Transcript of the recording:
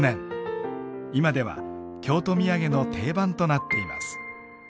今では京都土産の定番となっています。